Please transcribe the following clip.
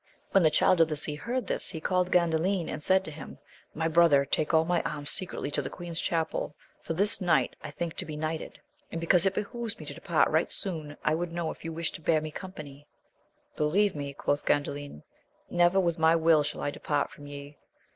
When the Child of the Sea heard this, he called Gandalin, and said to him. My brother, take all my arms secretly to the queen's chapel, for this night I think to be knighted, and, because it behoves me to depart right soon, I would know if you wish to bear me company ? Believe me, quoth Gandalin, never with my will shall I depart from ye.